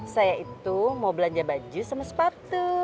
saya itu mau belanja baju sama sepatu